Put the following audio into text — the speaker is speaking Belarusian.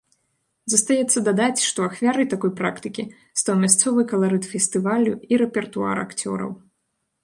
Застаецца дадаць, што ахвярай такой практыкі стаў мясцовы каларыт фестывалю і рэпертуар акцёраў.